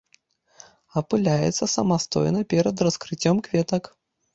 Апыляецца самастойна перад раскрыццём кветак.